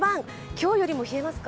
今日よりも冷えますか？